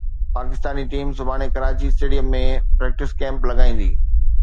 Pakistani team سڀاڻي Karachi stadium ۾ practice camp لڳائيندي